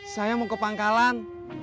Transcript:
saya mau ke pangkalan